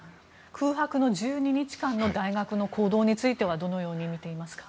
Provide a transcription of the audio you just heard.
空白の１２日間の大学の行動についてはどのように見ていますか？